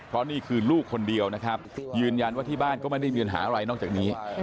เพราะนี่คือลูกคนเดียวนะครับยืนยันว่าที่บ้านก็ไม่ได้มีปัญหาอะไรนอกจากนี้